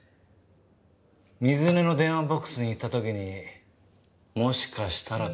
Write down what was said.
水根の電話ボックスに行ったときにもしかしたらと思ったんです。